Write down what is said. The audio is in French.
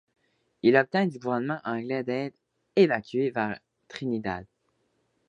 Il obtint du gouvernement anglais d'être évacué vers Trinidad.